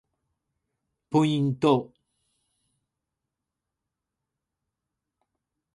ポイント